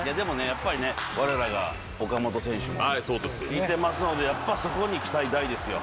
やっぱり我らが岡本選手もいてますのでやっぱそこに期待大ですよ。